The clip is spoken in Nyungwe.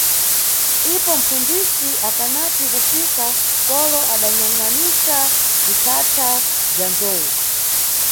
Ipo mpfunzisi akanati kufika, kolo adanyangʼanisa bzithatha bza nzou.